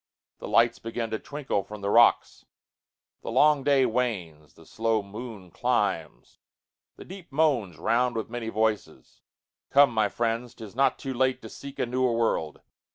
The lights begin to twinkle from the rocks:The long day wanes: the slow moon climbs: the deepMoans round with many voices. Come, my friends,'T is not too late to seek a newer world.